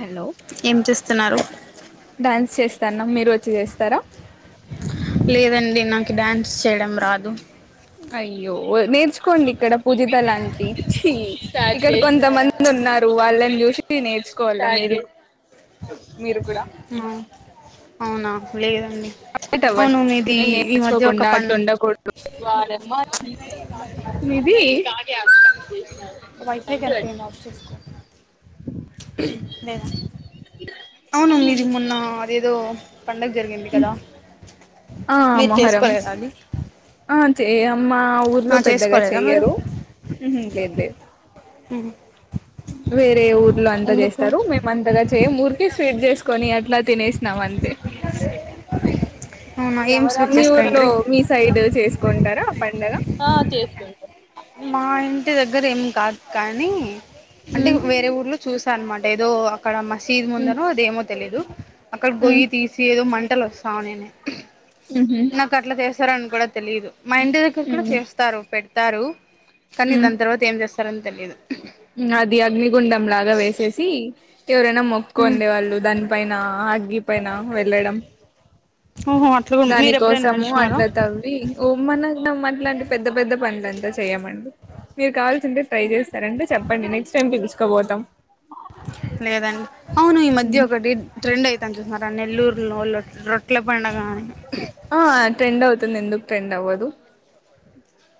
hello ఏం చేస్తున్నారు dance చేస్తన్నం మీరు వచ్చి చేస్తారా లేదండి నాకి డ్యాన్స్ చేయడం రాదు అయ్యో నేర్చుకోండి ఇక్కడ పూజిత లాంటి ఇక్కడ కొంతమంది దున్నారు వాళ్ళని చూసి నేర్చుకోవాలి మీరు మీరు కూడా ఆ అవునా లేదండి అవును మీది ఈ మధ్య ఒక పం నిది వైఫై కనెక్ట్ అయింది ఏం ఆఫ్ చేసుకో లేద అవును మీది మొన్న ఏదో పడుగ జరిగింది కదా ఆ మీరు మొహరం చేసుకోలేదా అది ఆ చెయ్యం మా ఊర్లో ఆ, పెద్దగా చేసుకోలేదా మీరు చెయ్యరు ఉహు లేదు లేదు ఉహు వేరే ఊర్లో అంతా చేస్తారు మేమంతగా ఏం ముర్కి స్వీట్ చేసుకుొని అట్లా తినేసినాం అంతే [inaudible] ఏం స్వీట్ మీ ఊర్లో చేసుకుంట్రీ మీ సైడ్ చేసుకుంటారా పడుగ ఆ చేసుకుంట మా ఇంటి దగ్గర ఏం కాదు కానీ అంటే ఉమ్ వేరే ఊర్లో చూసా అనమాట ఏదో అక్కడ మసీద్ ముందనో ఉహు అదేమో తెలీదు అక్కడికి వోయి తీసి ఏదో మంటలు వస్తావు నేనే నాకు అట్లా చేస్తార అని కూడా తెలియదు మా ఇంటి దగ్గర కూడా ఉమ్ చేస్తారు పెడతారు కానీ ఉమ్ దాని తర్వాత ఏం చేస్తారని తెలియదు అది అగ్నిగుండం లాగా వేసేసి ఎవరైనా మొక్కు ఉండే వాళ్ళు దాని పైన అగ్గి పైన వెళ్ళడం ఓహో అట్లా కూడా దాని మీరు ఎప్పుడైనా కోసము నడిచినారా అట్ల తవ్వి ఓ మనమట్లాంటి పెద్ద పెద్ద పనులుంతా చేయమండి మీరు కావాల్సి ఉంటే ట్రై చేస్తార అండీ చెప్పండి నెక్స్ట్ టైమ్ కి తీసుకపోతాం ది ట్రెండ్ అవుతంది చూసారా నెల్లూరులో రొట్ల పండగా అని ఆ ట్రెండ్ అవుతుంది ఎందుకు ట్రెండ్ అవ్వదు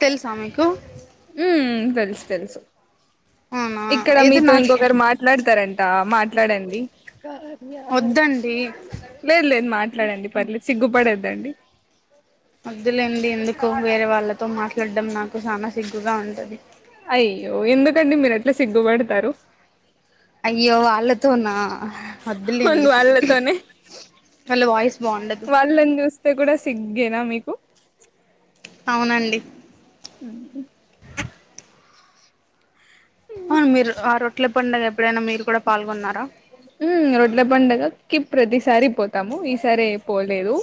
తెలుసా మీకు ఉ తెలుసు తెలుసు అవునా ఇక్కడ ఏదో మీతో నాకు ఇంకొకరు మాట ట్లాడుతరంట మాట్లాడండి వద్దండి లేదు లేదు మాట్లాడండి పర్లేదు సిగ్గుపడొద్దండి వద్దులేండి ఎందుకో వేరే వాళ్ళతో మాట్లాడడం నాకు చానా సిగ్గుగా ఉంటది అయ్యో ఎందుకండి మీరు అట్ల సిగ్గుపడతారు అయ్యో వాళ్ళతో నా అవును అద్దులేండి వాళ్ళతోనే అళ్ళ వాయిస్ బాగుండదు నేం చూస్ స్తే కూడా సిగ్గేనా మీకు అవునండి అ అవును మీరు ఆ రొట్టెల పండుగ ఎప్పుడైనా మీరు కూడా పాల్గొన్నారా ఉ రొట్టెల పండుగకి ప్రతిసారి పోతాము ఈసారి పోలేదు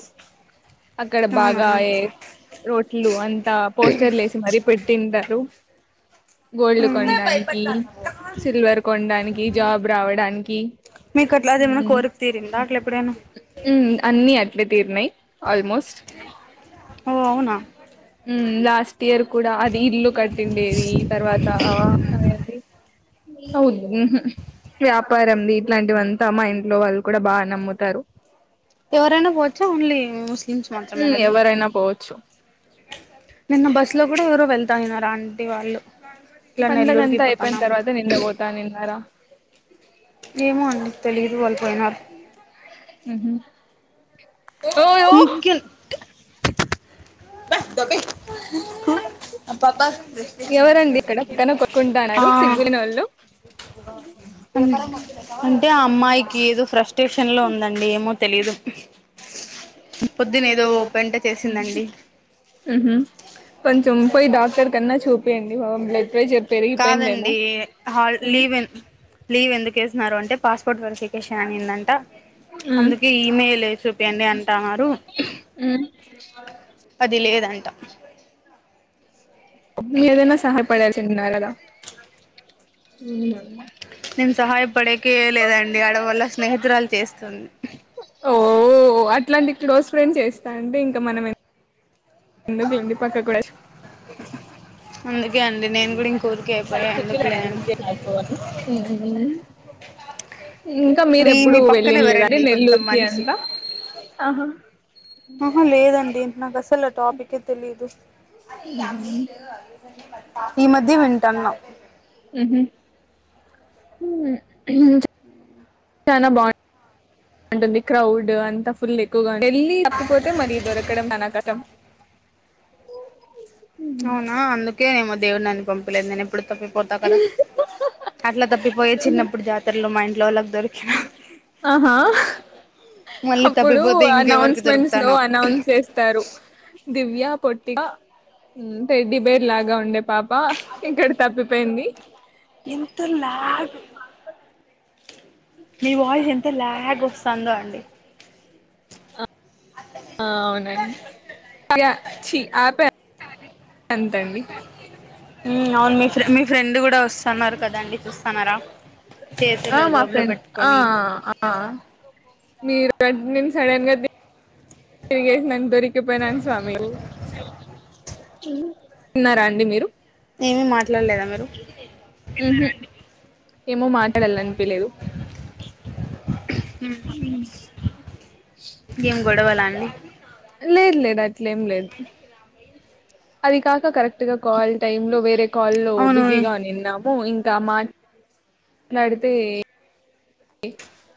అక్కడ అవునా బాగా రోట్లు అంతా పోస్టర్లు వేసి మరీ పెట్టింటారు గోల్డ్ కొనడానికి సిల్వర్ కొనడానికి జాబ్ రావడానికి మీకు అట్లా అది ఏమైనా కోరిక తీరిందా అట్లా ఎప్పుడైనా ఉ అన్ని అట్లే తీరినయి ఆల్మోస్ట్ ఓ అవునా ఉమ్ లాస్ట్ ఇయర్ కూడా అది ఇల్లు కట్టిండేది తర్వాత అదేంటి ఉహు వ్యాపారంది ఇట్లాంటివంతా మా ఇంట్లో వాళ్ళు కూడా బాగానే అమ్ముతారు ఎవరైనా పోవచ్చా ఓన్లీ ముస్లిమ్స్ మాత్రమేనండి రైనా పోవచ్చు నిన్న బస్సులో కూడా ఎవరో వెళ్తా అన్నారు ఆంటీ వాళ్ళు ఇట్లా నెల్లూరుకి పోతాన్నం ఇంగ పోత నేను హర ఏమో అండి తెలీదు వాళ్ళుపోయినారు ఉహు ఓయో నిఖిల్ బస్ ధోబే ఎవరండి ఇక్కడ పక్కన కొట్టుకుంటన్నారు సిగ్గునోళ్ళు ఉమ్ అంటే అమ్మాయి కిదో ఫ్రస్ట్రేషన్ లో ఉందండి ఏమో తెలిదు పొద్దునేదో పెంట చేసిందండి ఉమ్ హు కొంచెం పొయి డాక్టర్ కన్నా చూపియండి పాపం బ్లడ్ ప్రెషర్ పెరిగిపోయిందేమో కాదండి హాల్ హ్మ్ లీవ్ లీవ్ ఎందుకు ఏసినారు అంటే పాస్పోర్ట్ వెరిఫికేషన్ అనిందంట హ్మ్ అందుకు ఈ ఈమెయిలేది సుపియండి అంటన్నారు ఉమ్ అది లేదంటా మీరైనా సహాయపడాల్సి ఉండాలిగా నేను సహాయపడేకే ఏం లేదండి ఆడ వాళ్ళ స్నేహితురాలు చేస్తుంది ఓ అట్లాంటి క్లోస్ ఫ్రెండ్స్ చేస్తాంటే ఇంకా మనం ఏం ఎందుకులెండి పక్కకి పోయేసి అందుకే అండి నేను కూడా ఇంక ఊరికె పోయి ఎందుకులే అని [unintelligible] ఇంకా మీ మీరెప్పుడు మీ పక్కన వెళ్ళి లేదండి ఎవరండి కొంత నెల్లూరుకిి మనిషి అదంతా ఆహా ఉమ్ హు లేదండి నాకు అసలు ఆ టాపికే తెలీదు ఈ మధ్య వింటన్నం ఉమ్ హు ఉమ్మ్ చానా బాగుంటుంది క్రౌడు అంత ఫుల్ ఎక్కువగా వెళ్ళి తప్పిపోతే మళ్లీ దొరకడం చానా కష్టం ఉమ్ అవునా అందుకేనేమో దేవుడు నన్ను పంపలేదు నేను ఇప్పుడు తప్పిపోతా కదా అట్లా తప్పిపోయే చిన్నప్పుడు జాతర్లో మా ఇంట్లో వాల్లకి దొరికాను ఆహా మళ్ళీ అప్పుడూ తప్పిపోతే ఇంకెవరికి అనౌన్స్మెంట్స్ లో దొరుకుతానో అనౌన్స్ చేస్తారు దివ్య పొట్టిగా ఉమ్ టెడ్డి బేర్ లాగా ఉండే పాభ ఇక్కడ తప్పిపోయింది ఇంత ల్యాగ్ మీ వాయిస్ ఎంత ల్యాగ్ వస్తందో అండి అ అహ్ అవునండి చి అపే ఎంతండి ఉమ్ అవును మీ మీ ఫ్రెండ్ కూడా వస్తు అన్నారు కదండి చూస్తన్నారా చేతులు జోబ్లో పెట్టుకొని ఆహ్ మీర్ ప్రెగ్నెన్సీ సడన్గా ది తీర్గేసినన్ దొరికిపోయినాను స్వామి తిన్నారా అండి మీరు ఏమీ మాట్లాడలేదా మీరు ఉహు ఏమో మాట్లాడలనిపియాలేదు ఏం గొడవలండి లేద్ లేదు అట్లే ఏం లేదు అది కాక కరెక్ట్ గా కాల్ టైమ్ లో వేరే కాల్ల్లో అవును బిజీగా ఉన్నీనము ఇంకా మా ట్లాడితే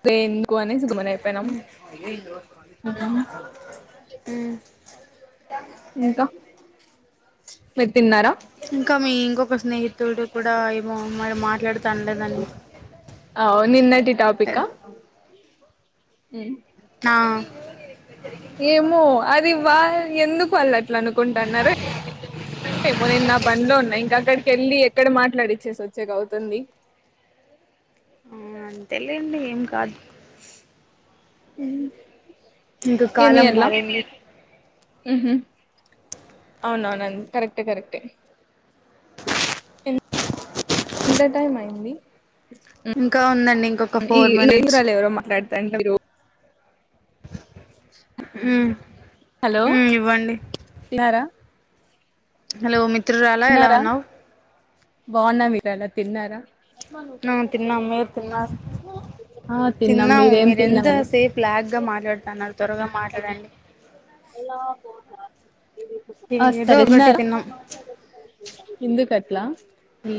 దేన్కో అనేసి గుమ్మనయ ఉమ్ ఇంకా మీర్ తిన్నారా ఇంకా మీ ఇంకోక్క స్నేహితుడు కూడా ఏమో మ మాట్లాడ అవ్వ్ నిన్నటి టాపికా ఉమ్ నా ఏమో అది వా ఎందుకు వాళ్ళు అట్లా అనుకుంటన్నారా మో నేను నా పనిలో ఉన్నా ఇంక అక్కడికిెళ్ళి ఎక్కడ మాట్లాడిచ్చేసి వచ్చేక అవుతుంది అవు అంతేలేండి ఏం కాదు ఉ ఇంక ఏమి కాలం అర్లా మరేంది ఉహూ అవునవునండి కరెక్టే కరెక్టే ఎంత టైమ్ అయింది ఉ ఇంకా ఉందండి ఇంకొక ఈ ఫోర్ మినిట్స్ కేంద్రాల ఎవరో మాట్లాతండ మీరు ఉ హలో ఉ ఇవ్వండి తిన్నారా హలో మిత్రురాలా ఎలా ఉన్నా్ బాగున్న మీరలా తిన్నారా ఆ తిన్నాం మీరు తిన్నారు హ తిన్నాం మీరేం తిన్నారు ల్యాగ్గా మాట్లాడుతన్నారు త్వరగా మాట్లాడండి హలో [unintelligible] ఏ ఏదో ఒకటి తిన్నాం ఎందుకట్లా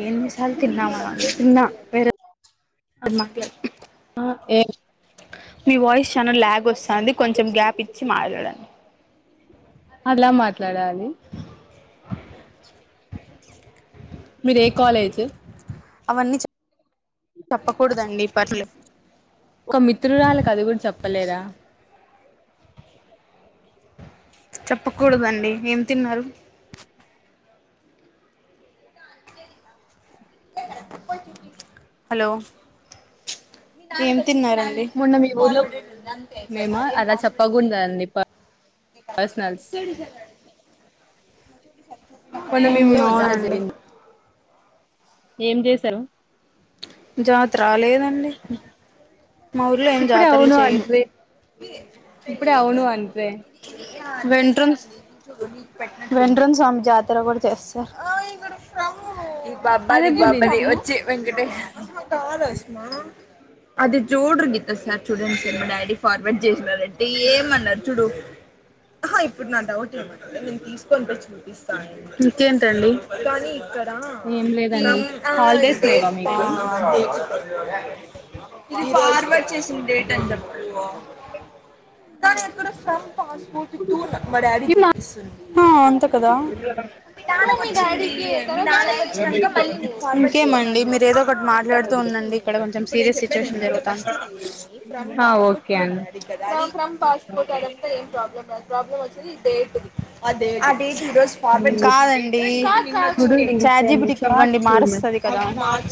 ఎన్నిసార్లు తిన్నావా తిన్నాేర వేరే వా మాకులే ఏ మీ వాయిస్ చాలా ల్యాగ్ అస్తాంది కొంచెం గ్యాప్ ఇచ్చి మాట్లాడం అట్లా మాట్లాడాలి మీరు ఏ కాలేజ్ అవన్నీ చెప్పకూడదండి పర్సనల్ ఒక మిత్రురాలకు అది కూడా చెప్పలేరా చెప్పకూడదండి ఏం తిన్నారు హలో ఏం తిన్నార మొన్న మీ ఊర్లో మేమా అలా చెప్పకూడదండి పా [unintelligible] మొన్న మీ మ్మ్ [unintelligible] అవునండి జగిన్ ఏం చేశారు జాతరా లేదండి మా ఉర్లో ఏం ఇప్పుడే జాతరలు అవును చెయ్యరు అంట్రి ఇప్పుడే అవును అంట్రి వెంట్రమ్స్ వెంట్రం స్వామి జాతర కూడా చేస్తారు బబ్బాది అదెప్పటి బాబ్జది నుంచి వచ్చి వెంకటేష్ చూడురు గీత సార్ చూడండి సార్ మా డాడీ ఫార్వర్డ్ చేసినారంటే ఏం అనరు చూడు ఆహా ఇప్పుడు నా డౌట్ ఏమంటే నేను తీసుకోని పోయి చూపిస్తాను ఇంకేంటండి [unintelligible] ఇది ఫార్వడ్ చేసిన డేట్ అని చెప్పు [unintelligible] మా డాడీది జూపిస్తు ఆ అంతే కదా ఇంకేం అండి మీరు ఏదో ఒకటి మాట్లాడుతూ ఉండండి ఇక్కడ కొంచెం సీరియస్ టేషన్ జరుగుతాంది ఏం ఆ ఓకే అండి ప్రాబ్లం రాదు ప్రాబ్లం వచ్చి ఈ డేట్ ది కాదండి చాట్ జీ పి టి కి ఇవ్వండి మారుస్తది ద మార్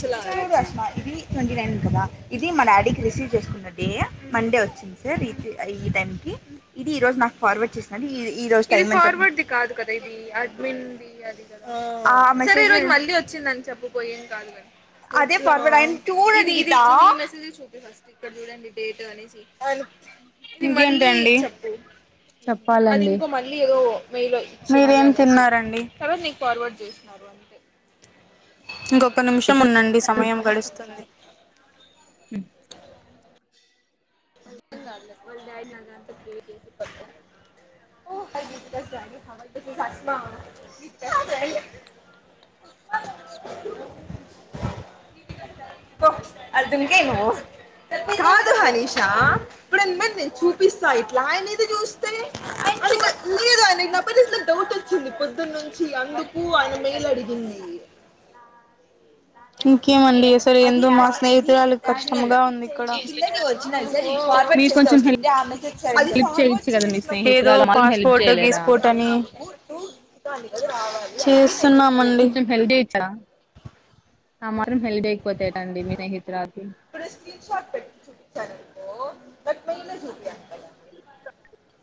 వష ఇది ట్వంటీ నైన్ కదా ఇది మా డాడీకి రిసీవ్ చేసుకున్న డే మండే వచ్చింది సార్ ఈ కి ఈ టైంకి ఇది ఈ రోజు నాకు ఫార్వర్డ్ చేసినది ఈ రోజు టైం [unintelligible] [unintelligible] అదే ఫార్వర్డ్ అయ్యింది చూడు అనీత ఇంకేంటండి చెప్పాలండి మీరేం తిన్నారండి ఇంకొక నిమిషం ఉండండి సమయం గడుస్తుంది హుమ్ [unintelligible] [unintelligible] [inaudible] కాదు హనీషా [unintelligible] చ్చింది పొద్దున్న నుంచి అందుకు ఆయన మెయిల్ అడిగింది ఇంకేమండి సే ఎందు మా స్నేహితురాలు కష్టంగా ఉంది ఇక్కడ మీరు కొంచెం హెల్ప్ చేయొచ్చు కదా మీ ఏదో స్నేహితురాలు మాత్రం హెల్ప్ పాస్పోర్ట్ చేయలేరా గీస్పోర్ట్ అని చేస్తున్నామండి హెల్దీ ఇచ్చడ ఆ మాత్రం హెల్ప్ చేయకపోతే ఎలాండి మిన హిత్ రాతి ఇప్పుడు స్క్రీన్ షాట్ పెట్ చూపించాలనుకో బట్ మెయిల్యే చూపి అంట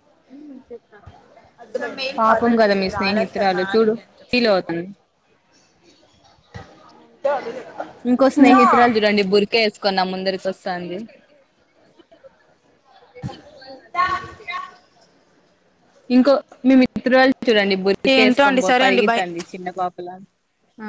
[unintelligible] పాపం కదా మీ స్నేహితురాలు చూడు ఫీల్ అవుతుంది [inaudible] [unintelligible] ఇంకో స్నేహితురాలు చూడండి బురికే వేసుకుని ముందరికి వస్తంది [unintelligible] ఇంకో మీ మిత్రురాలు చూడండి బురికె ఏంటో అండి వేసుకొ సరే అండి బాయ్ పరుగెత్తుతంది చిన్న పాపలా ఆ